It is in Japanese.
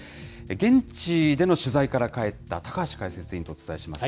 現地での取材から帰った高橋解説委員とお伝えします。